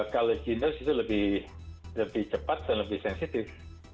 kalau g nose itu lebih cepat dan lebih sensitif